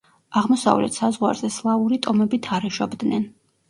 აღმოსავლეთ საზღვარზე სლავური ტომები თარეშობდნენ.